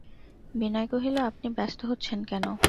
বিনয় কহিল, আপনি ব্যস্ত হচ্ছেন কেন?